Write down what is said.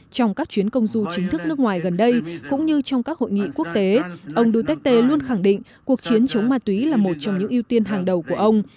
trong các chuyến công du chính thức nước ngoài gần đây cũng như trong các hội nghị quốc tế ông duterte luôn khẳng định cuộc chiến chống ma túy là một trong những ưu tiên hàng đầu của ông